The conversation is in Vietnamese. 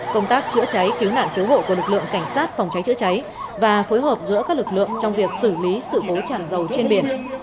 công tác chữa cháy cứu nạn cứu hộ của lực lượng cảnh sát phòng cháy chữa cháy và phối hợp giữa các lực lượng trong việc xử lý sự cố tràn dầu trên biển